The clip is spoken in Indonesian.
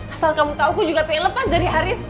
asal kamu tau aku juga pengen lepas dari haris